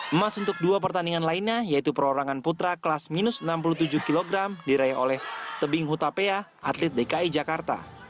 emas untuk dua pertandingan lainnya yaitu perorangan putra kelas minus enam puluh tujuh kg diraih oleh tebing hutapea atlet dki jakarta